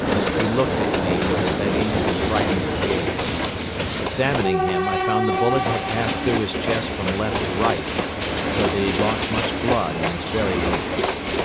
He looked at me with a begging and frightened gaze. Examining him, I found the bullet had passed through his chest from left to right, that he had lost much blood and was very weak.